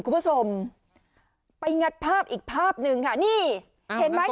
คุณผู้ชมไปงัดภาพอีกภาพหนึ่งค่ะนี่เห็นไหม